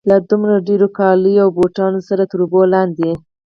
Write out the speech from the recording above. له دومره ډېرو جامو او بوټانو سره تر اوبو لاندې.